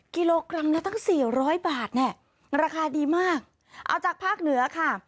กิโลกรัมละตั้งสี่ร้อยบาทเนี่ยราคาดีมากเอาจากภาคเหนือค่ะ